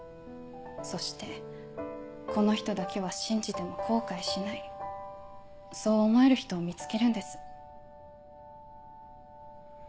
そしてこの人だけは信じても後悔しないそう思える人を見つけるんです。